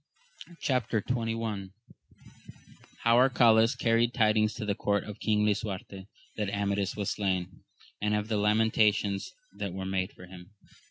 — How Arcalaus carried tidings to the court of king Lisuarte that Amadis was slain, and of the lamentations that were made for him.